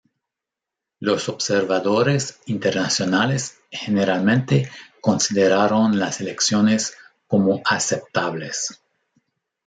Los observadores internacionales generalmente consideraron las elecciones como aceptables.